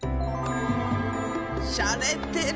しゃれてる！